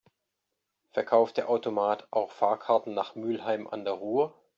Verkauft der Automat auch Fahrkarten nach Mülheim an der Ruhr?